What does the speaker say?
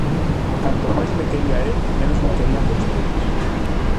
Canto máis me quería el, menos me querían vostedes.